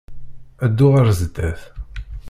Ddu ɣer sdat!